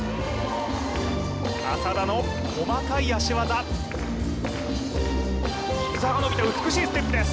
浅田の細かい足技膝が伸びて美しいステップです